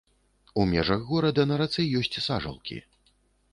У межах горада на рацэ ёсць сажалкі.